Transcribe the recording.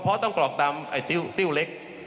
เพราะต้องกรอกตามติ้วเล็ก